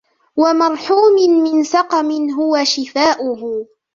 وَمَرْحُومٍ مِنْ سَقَمٍ هُوَ شِفَاؤُهُ